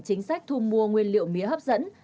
chính sách thu mua nguyên liệu mía hấp dẫn